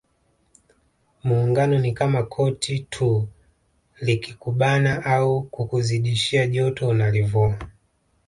Muungano ni kama koti tu likikubana au kukuzidishia joto unalivua